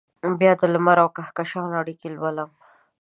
بیا دلمر اوکهکشان اړیکې لولم